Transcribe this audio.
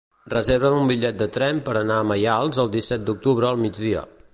Reserva'm un bitllet de tren per anar a Maials el disset d'octubre al migdia.